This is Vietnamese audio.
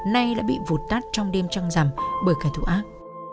nay đã bị vụt tắt trong đêm trăng rằm bởi cái thủ ác